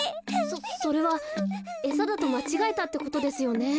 そそれはえさだとまちがえたってことですよね。